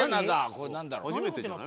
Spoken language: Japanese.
これなんだろう？